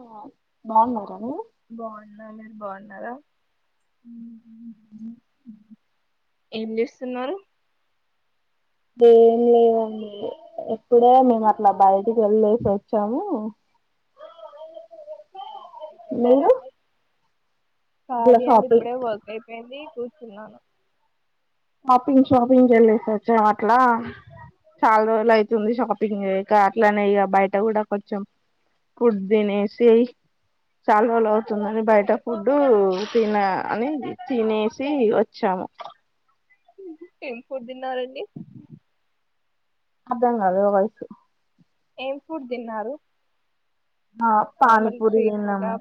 ఆ బాగున్నారా అం బాగున్నా మీర్ బాగున్నారా హమ్ ఏం చేస్తున్నారు ేం లేదండి ఇప్పుడే మేము అట్లా బయటికి వెళ్ళసి వచ్చాము మీ మీరు పిలారంండి అట్లా ఖాళీ అండి షాపింగ్ ఇప్పుడే వర్క్ అయిపోయింది కూర్ తిన్నాను షాపింగ్ షాపింగ్ కేల్లేసి వచ్చాం అట్లా చాలా రోజలు అయితుంది షాపింగ్ చేయక అట్లానే ఇక బయట కూడా కొంచెం ఫుడ్ తినేసి చాలా రోజలు అవుతుందని బయట ఫుడ్ తిన అని తినేసి వచ్చాము ఎం ఫుడ్ తన్నారంండి అదంకళా వాయిస్ ఏం ఫుడ్ తిన్నారు ఆ పనీపూరి తిన్నాము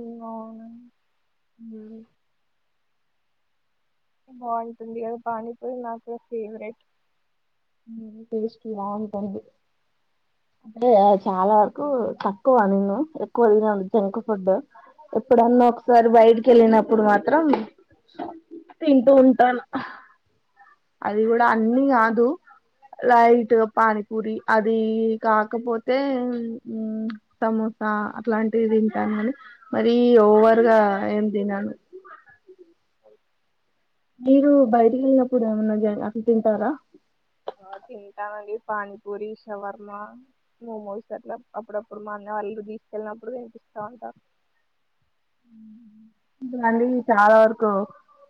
ఏ అవునా హమ్ బాగుంటుంది అది పానీపూరి నాకు ఫేవరెట్ టేస్ట్ బాగుంటుంది అదే చాలా వరకు తక్కువ నిన్ను ఎక్కువ తినను జంక్ ఫుడ్ ఎప్పుడన్నా ఒకసారి బయటికి వెళ్ళినప్పుడు మాత్రం తింటూ ఉంటాను అది కూడా అన్నీ కాదు లైట్ పానీపూరి అది కాకపోతే ఉమ్ సమోసా అట్లాంటివి తింటాను మని మర ఓవర్గా ఏం తిినను మీరు బయటికి వెళ్ళినప్పుడు ఏమన్నా జ అట్లా తింటారా ఆ తింటామండి పానీపూరి షవర్మ మోమోస్ అట్లా అప్పుడప్పుడు మా అన్నయ్య వాళ్ళు తీసుకెళ్ళినప్పుడు తినిపిస్తా ఉంటారు ఇ అండి చాలా వరకు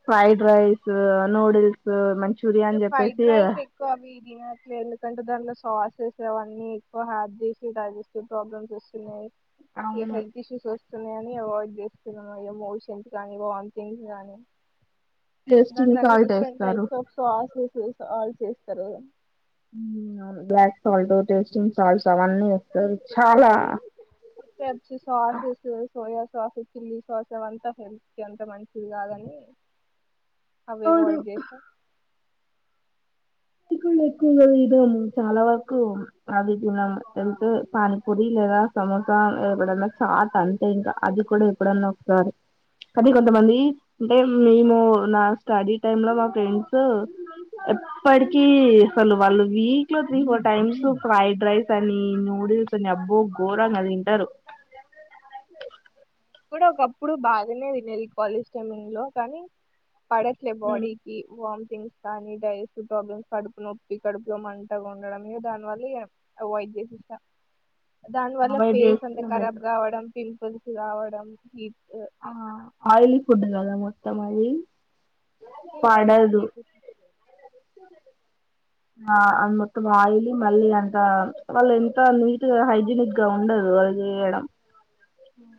ఫ్రైడ్ రైస్ నూడిల్స్ మంచి ఇగ ఫైడ్ రాైస్ ఎక్కువ అవి తినట్లు ఎందుకంటే దానిట్లో సాసెస్ అవన్నీ ఎక్కువ హార్ట్ చేసి డైజెస్టివ్ ప్రాబ్లమ్స్ వస్తున్నాయి ఏ అవును హెల్త్ ఇష్యూస్ వ ని అవాయిడ్ చేస్తున్నాను ఇో మోషన్స్ గానీ వామిటింగ్స్ గాని టెస్ట్ని సాల్ట్ ఎస్తారు సాస్స్ సాల్ట్స్ వేస్తారు బ్లాక్ సాల్ట్ టేస్టింగ్ సాల్ట్స్ అవన్నీ వస్త ఇ sauces soya sauce chilli sauce అవంతా హెల్త్ అంతా మంచిది కాదని అవి అవును అవాయిడ్ చేస్తా అది కూడా ఎక్కువ కదద్దాము చాలా వరకు అది తిన్నాము తింటే పానీపూరి లేదా సమోసా ఎప్పుడన్నా చాట్ అంతే ఇంకా అది కూడా ఎప్పుడన్నా ఒకసారి అనీ కొంతమంది అంటే మేము నా స్టడీ టైమ్ లో మా ఫ్రెండ్స్ ఇప్పటికి అసలు వాళ్ళు వీక్ లో three four times fried rice అని నూడిల్స్ అని అబ్బో ఘోరంగా తింటారు ఇప్పుడ ఒకప్పుడు బాగానే తినేది కాలేజ్ టైమింగ్ లో కానీ పడట్లేలే బాడీకి వ స్ కానీ డైజెస్టివ్ ప్రాబ్లమ్స్ కడుపు నొప్పి కడుపులో మంటగా ఉండడం దాని వల్ల అవాయిడ్ చేసేసా దాని వల్ల అవాయిడ్ ఫేస్ అంత చేస్తేనే కరబ్ బెటర్ కావడం పిం [unintelligible] కావచ్చు ఈ ఆ ఆయిలీ ఫుడ్ కదా మొత్ మొత్తం అవి అ ఓల్ చేసి ఆ అ మొత్తం ఆయిల్, మళ్ళీ అంత వాళ్ళు ఎంత నీట్గా హైజనిక్గా ఉండదు వాళ్ళు చేయడం. ఉమ్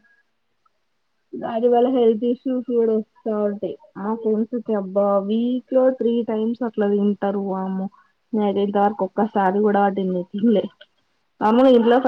దాని వల్ల హెల్త్ ఇష్యూస్ గుడ వస్తా ఉంటయి, ఆ ఫ్రెమ్స్ కి అబ్బా వీక్ లో త్రీ టైమ్స్ అట్లా తింటరు, వామ్మో నేనైతే ఇంత వరకు ఒక్కసారి గుడ తిన్నికి చూల్లె, మా అమ్మకి ఇంట్లో